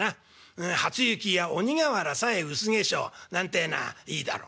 『初雪や鬼瓦さえ薄化粧』なんてえのはいいだろう」。